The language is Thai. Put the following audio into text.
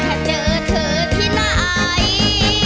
ถ้าเจอเธอที่ไหน